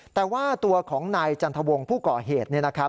แต่ว่าตัวของนายจันทวงศ์ผู้ก่อเหตุ